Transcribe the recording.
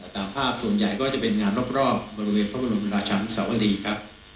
ตามภาพส่วนใหญ่ก็จะเป็นงานรอบบริเวณพระบรมราชานุสาวดีครับ